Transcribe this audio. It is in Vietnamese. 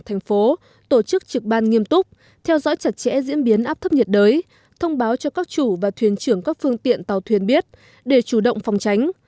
thành phố tổ chức trực ban nghiêm túc theo dõi chặt chẽ diễn biến áp thấp nhiệt đới thông báo cho các chủ và thuyền trưởng các phương tiện tàu thuyền biết để chủ động phòng tránh